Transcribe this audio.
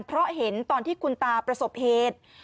เพราะเห็นตอนที่คุณตาประสบเหตุ